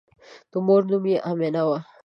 د مور نوم یې آمنه وه.